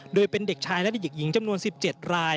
โดยเป็นเด็กชายและเด็กหญิงจำนวน๑๗ราย